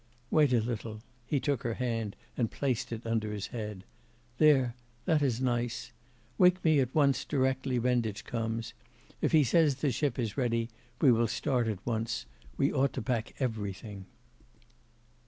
'Wait a little.' He took her hand, and placed it under his head. 'There that is nice. Wake me at once directly Renditch comes. If he says the ship is ready, we will start at once. We ought to pack everything.